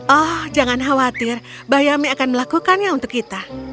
oh jangan khawatir bayame akan melakukannya untuk kita